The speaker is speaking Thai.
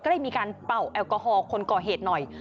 ก็เลยมีการเป่าแอลกอฮอล์คนก่อเหตุหน่อย